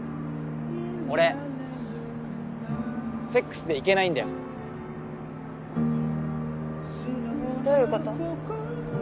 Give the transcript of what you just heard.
俺セックスでイケないんだよどういうこと？